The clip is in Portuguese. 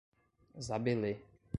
Zabelê